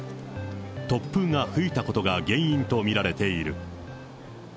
突風が吹いたことが原因と見られている。